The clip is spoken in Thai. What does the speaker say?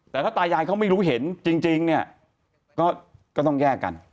แต่ถ้าตายายเขาไม่รู้เห็นจริงเนี่ยก็ต้องแยกกัน